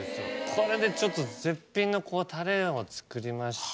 これでちょっと絶品のたれを作りまして。